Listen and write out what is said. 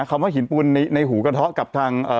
คำว่าหินปูนในหูกระเทาะกับทาง